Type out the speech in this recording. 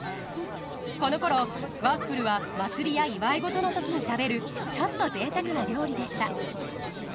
このころワッフルは祭りや祝い事のときに食べるちょっとぜいたくな料理でした。